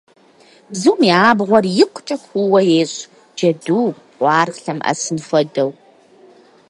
Бзум и абгъуэр икъукӏэ куууэ ещӏ, джэду, къуаргъ лъэмыӏэсын хуэдэу.